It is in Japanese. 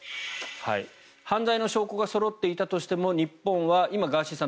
犯罪の証拠がそろっていたとしても日本は今、ガーシーさん